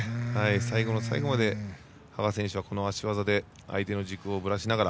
最後の最後まで羽賀選手はこの足技で相手の軸をぶらしながら。